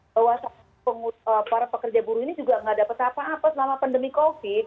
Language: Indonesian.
bahwa para pekerja buruh ini juga nggak dapat apa apa selama pandemi covid